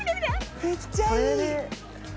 めっちゃいい！